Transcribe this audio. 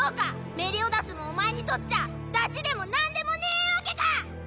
メリオダスもお前にとっちゃダチでもなんでもねぇわけか！